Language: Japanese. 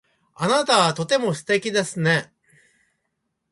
あなたはとても素敵ですね。